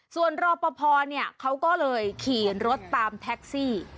ส่วนรอปภเขาก็เลยขี่รถตามแท็กซี่